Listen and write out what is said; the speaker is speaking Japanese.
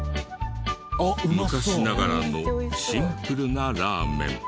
昔ながらのシンプルなラーメン。